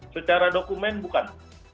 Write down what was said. secara dokumen bukan